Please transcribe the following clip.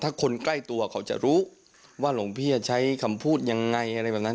ถ้าคนใกล้ตัวเขาจะรู้ว่าหลวงพี่จะใช้คำพูดยังไงอะไรแบบนั้น